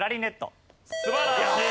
素晴らしい！